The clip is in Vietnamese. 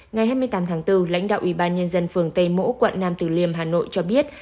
ngày hai mươi tám tháng bốn lãnh đạo ủy ban nhân dân phường tây mỗ quận nam từ liêm hà nội cho biết